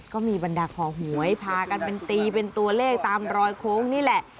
ก็มีบรรดาคอหวยพากันเป็นตีเป็นตัวเลขตามรอยโค้งนี่แหละ